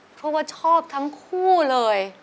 เพราะว่าชอบทั้งคู่เลย